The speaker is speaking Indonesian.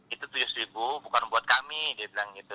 itu tujuh bukan buat kami dia bilang gitu